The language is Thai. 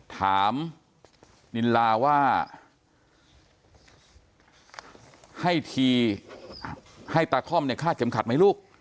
ถามนิลลาว่าให้ตาค่อมเนี่ยค่าจำขัดไหมลูก